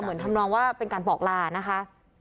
เหมือนทำนองว่าเป็นการปอกลานะคะ